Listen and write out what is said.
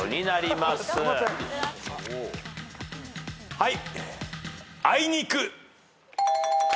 はい！